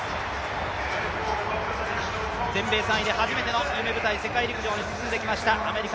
全米３位で初めての夢舞台、世界陸上に進んできました。